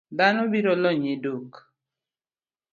Dhano biro lonyi duk .